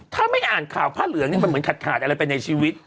ถ้าไม่อ่านข่าวผ้าเหลืองเนี่ยมันเหมือนขาดขาดอะไรไปในชีวิต